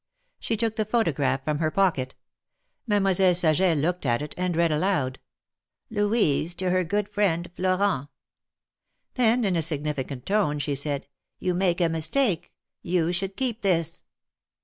She took the photograph from her pocket. Mademoi selle Saget looked at it, and read aloud : Louise to her good friend Florent." Then in a significant tone she said: You make a mistake. You should keep this."